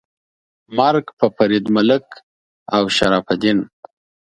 مرګ په فرید ملک او شرف الدین. 🤨